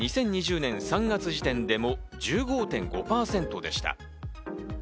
２０２０年３月時点でも１５．５％でした。